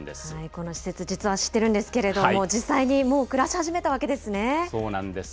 この施設、実は知ってるんですけれども、実際にもう暮らし始そうなんです。